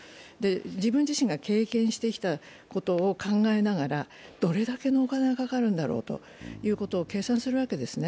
自分自身が経験してきたことを考えながらどれだけのお金がかかるんだろうということを計算するわけですね。